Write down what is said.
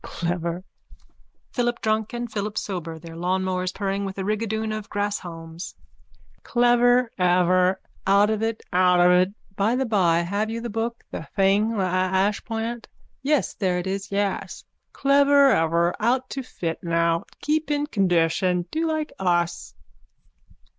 _ Clever. PHILIP DRUNK AND PHILIP SOBER: (Their lawnmowers purring with a rigadoon of grasshalms.) Clever ever. Out of it out of it. By the bye have you the book, the thing, the ashplant? Yes, there it, yes. Cleverever outofitnow. Keep in condition. Do like us.